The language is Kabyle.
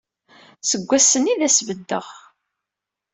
Seg wass-nni ay as-beddeɣ.